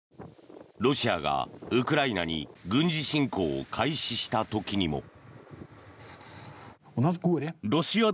ロシアがウクライナに軍事侵攻を開始した時にも。